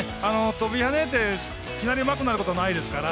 とびはねて、いきなりうまくなることはないですから。